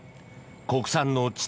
国産の地